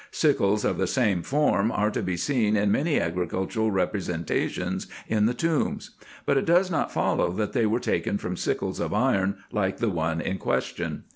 Sickles of the same form are to be seen in many agricultural representations in the tombs ; but it does not follow, that they were taken from sickles of iron, like the one in question.